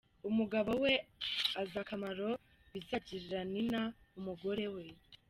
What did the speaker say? Umugabo we azi akamaro bizagirira Nina umugore we.